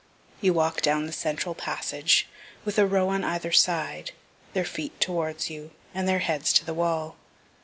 You walk down the central passage, with a row on either side, their feet towards you, and their heads to the wall.